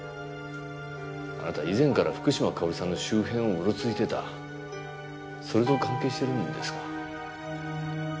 あなた以前から福島香織さんの周辺をうろついてたそれと関係してるんですか？